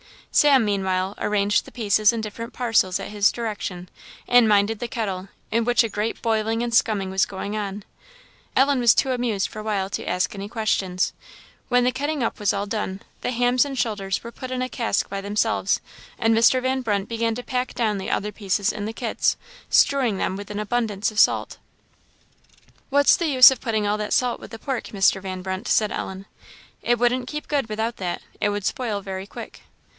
Sam meanwhile arranged the pieces in different parcels at his direction, and minded the kettle, in which a great boiling and scumming was going on. Ellen was too much amused for a while to ask any questions. When the cutting up was all done, the hams and shoulders were put in a cask by themselves, and Mr. Van Brunt began to pack down the other pieces in the kits, strewing them with an abundance of salt. "What's the use of putting all that salt with the pork, Mr. Van Brunt?" said Ellen. "It wouldn't keep good without that; it would spoil very quick."